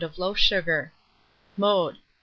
of loaf sugar. Mode.